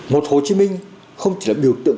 một hồ chí minh không chỉ là biểu tượng